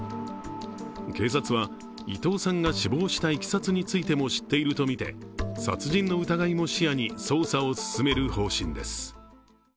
警察は伊藤さんが死亡したいきさつについても知っているとみて殺人の疑いも視野に捜査を進める方針です。